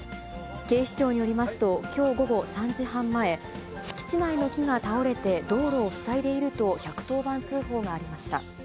警視庁によりますと、きょう午後３時半前、敷地内の木が倒れて道路を塞いでいると１１０番通報がありました。